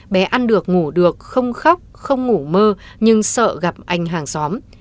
bé ăn được ngủ được không khóc không ngủ mơ nhưng sợ gặp anh hàng xóm